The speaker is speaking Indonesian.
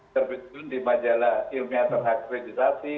terbentun di majalah ilmiah terakreditasi